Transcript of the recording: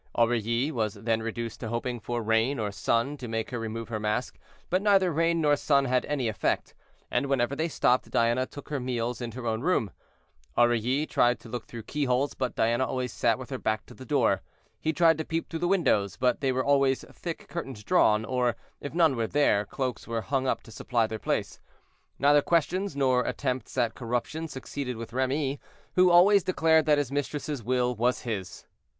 Aurilly was then reduced to hoping for rain or sun to make her remove her mask; but neither rain nor sun had any effect, and whenever they stopped Diana took her meals in her own room. Aurilly tried to look through the keyholes, but Diana always sat with her back to the door. He tried to peep through the windows, but there were always thick curtains drawn, or if none were there, cloaks were hung up to supply their place. Neither questions, nor attempts at corruption, succeeded with Remy, who always declared that his mistress's will was his.